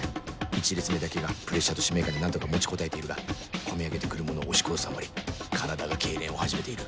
１列目だけがプレッシャーと使命感で何とか持ちこたえているが込み上げて来るものを押し殺すあまり体が痙攣を始めている